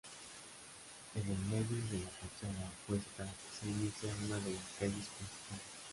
En el medio de la fachada opuesta se inicia una de las calles principales.